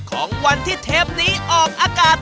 ของวันที่เทปนี้ออกอากาศ